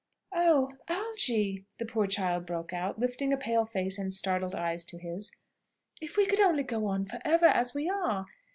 "Oh, Algy!" the poor child broke out, lifting a pale face and startled eyes to his; "if we could only go on for ever as we are!